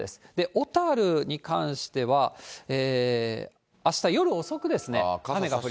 小樽に関しては、あした夜遅くですね。